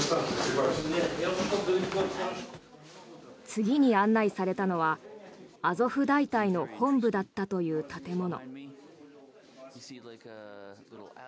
次に案内されたのはアゾフ大隊の本部だったという建物。